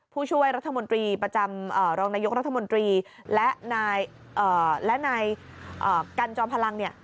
ผู้ช่วยรัฐมนตรีประจำรองนายกรัฐมนตรีและนายกันจอมพลังเนี่ย